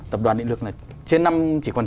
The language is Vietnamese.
tập đoàn điện lực là chỉ còn